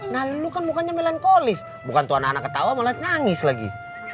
nah lu kan mukanya melankolis bukan tuan anak ketawa malah nyangis lagi